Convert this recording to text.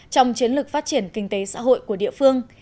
trong chiến lược phát triển kinh tế xã hội của địa phương